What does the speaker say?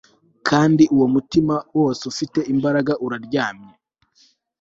Kandi uwo mutima wose ufite imbaraga uraryamye